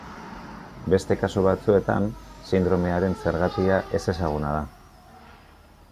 Beste kasu batzuetan, sindromearen zergatia ezezaguna da.